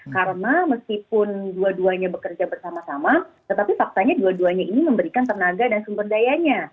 karena meskipun dua duanya bekerja bersama sama tetapi faktanya dua duanya ini memberikan tenaga dan sumber dayanya